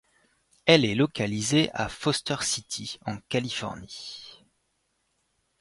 Elle est localisée à Foster City en Californie.